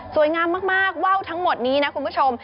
งามมากว่าวทั้งหมดนี้นะคุณผู้ชม